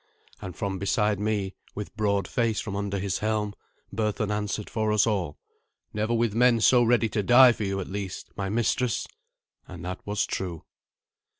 And from beside me, with broad face from under his helm, Berthun answered for us all, "Never with men so ready to die for you, at least, my mistress." And that was true.